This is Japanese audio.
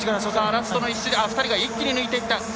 ラストの１周２人が一気に抜いた。